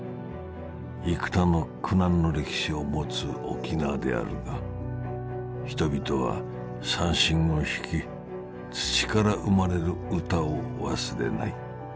幾多の苦難の歴史を持つ沖縄であるが人々は三線を弾き土から生まれるうたを忘れない。